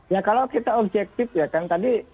ya kalau kita objektif ya kan tadi